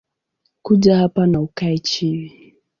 Kuja hapa na ukae chini